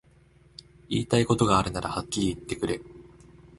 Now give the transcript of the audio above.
言いたいことがあるならはっきり言ってくれ